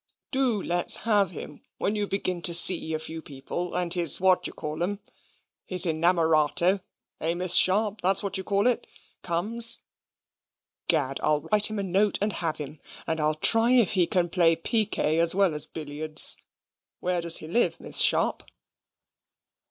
"Do let's have him, when you begin to see a few people; and his whatdyecallem his inamorato eh, Miss Sharp; that's what you call it comes. Gad, I'll write him a note, and have him; and I'll try if he can play piquet as well as billiards. Where does he live, Miss Sharp?"